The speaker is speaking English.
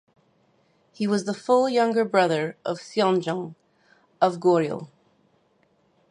He was the full younger brother of Seongjong of Goryeo.